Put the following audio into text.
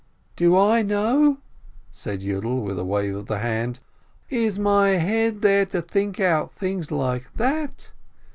"Do I know?" said Yiidel, with a wave of the hand. "Is my head there to think out things like that?